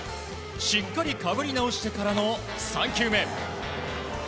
しっかりかぶり直してからの３球目。